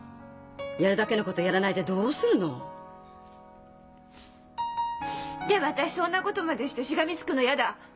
やるだけのことやらないでどうするの？でも私そんなことまでしてしがみつくの嫌だ。